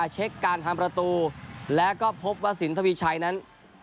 เช็คการทำประตูแล้วก็พบว่าสินทวีชัยนั้น